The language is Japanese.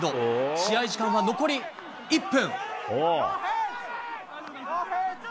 試合時間は残り１分。